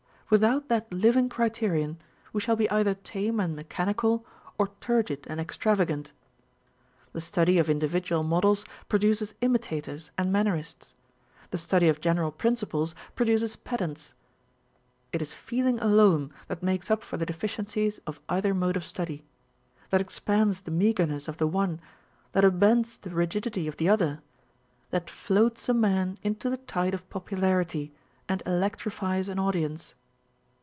Without that living criterion, we shall be either tame and mechanical, or turgid and extravagant. The study of individual models produces imitators and mannerists : the study of general principles produces pedants. It is feeling alone that makes up for the deficiences of either mode of study ; that expands the meagreness of the one, that unbends the rigidity of the other, that floats a man into the tide of popularity, and electrifies an audience.